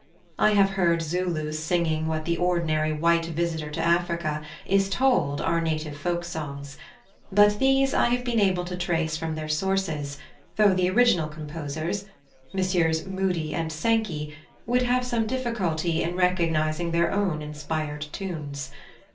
I have heard Zulus singing what the ordinary white visitor to Africa is told are native folk songs; but these I have been able to trace from their sources, though the original composers, Messrs Moody and Sankey, would have some difficulty in recognising their own inspired tunes!